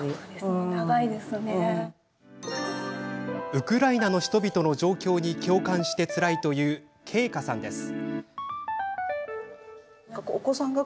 ウクライナの人々の状況に共感して、つらいというけいかさんです。